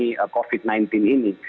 dari covid sembilan belas ini